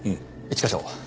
一課長。